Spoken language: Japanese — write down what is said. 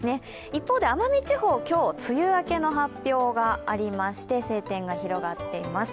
一方、奄美地方、今日梅雨明けの発表がありまして、晴天が広がっています。